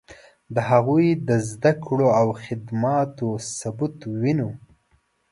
د هغوی د زدکړو او خدماتو ثبوت وینو.